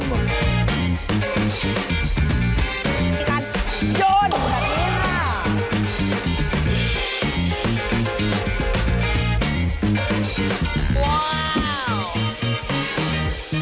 โชนแบบนี้ค่ะโชนแบบนี้ค่ะ